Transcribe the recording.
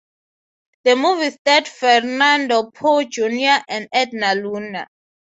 The movie starred Fernando Poe Junior and Edna Luna.